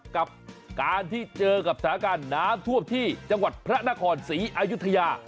กับการที่เจอกับสถานการณ์น้ำท่วมที่จังหวัดพระนครศรีอายุทยา